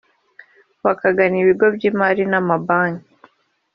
bakagana ibigo by’imari n’amabanki